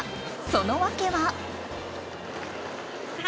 その訳は。